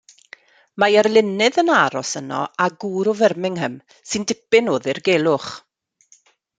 Mae arlunydd yn aros yno a gŵr o Firmingham sy'n dipyn o ddirgelwch.